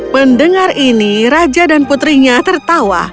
mendengar ini raja dan putrinya tertawa